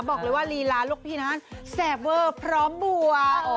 บอกเลยว่าลีลาลูกพี่นั้นแสบเวอร์พร้อมบัว